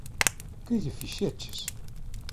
Que lle fixeches?